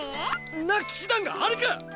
んな騎士団があるか！